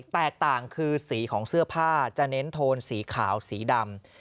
แตกต่างคือสีของเสื้อผ้าจะเน้นโทนสีขาวสีดำ